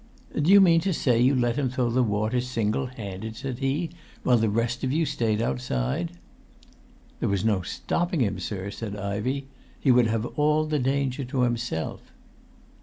"Do you mean to say you let him throw the water single handed," said he, "while the rest of you stayed outside?" "There was no stopping him, sir," said Ivey. "He would have all the danger to himself."